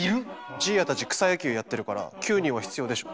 じいやたち草野球やってるから９人は必要でしょ。